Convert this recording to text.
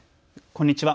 こんにちは。